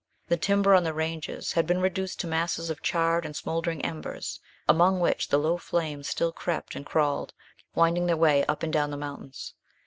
The timber on the ranges had been reduced to masses of charred and smouldering embers, among which the low flames still crept and crawled, winding their way up and down the mountains.